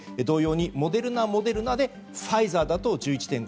同様にモデルナ、モデルナでファイザーだと１１．５倍。